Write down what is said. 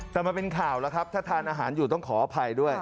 แต่มันเป็นข่าวแล้วครับถ้าทานอาหารอยู่ต้องขออภัยด้วย